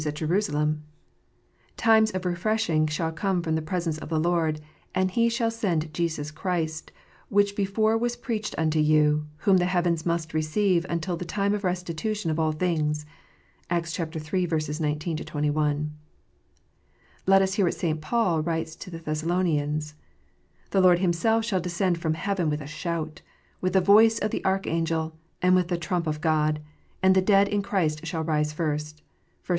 253 ;it Jerusalem: "Times of refreshing shall come from the presence of the Lord ; and He shall send Jesus Christ, which before was preached unto you : whom the heavens must receive until the times of restitution of all things." (Acts iii. 19 21.) Let us hear what St. Paul writes to the Thessalonians :" The Lord Himself shall descend from heaven with a shout, with the voice of the archangel, and with the trump of God : and the dead in Christ shall rise first."